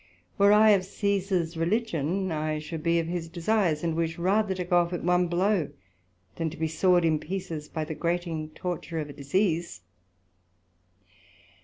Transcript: Were I of Cæsar's Religion, I should be of his desires, and wish rather to go off at one blow, then to be sawed in pieces by the grating torture of a disease.